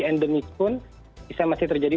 endemik pun bisa masih terjadi